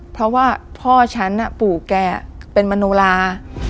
เพราะว่าพ่อฉันปู่แกเป็นมโนลา